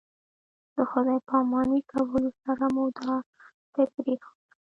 د خدای پاماني کولو سره مو دا ځای پرېښود.